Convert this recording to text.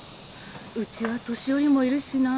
うちは年寄りもいるしなあ。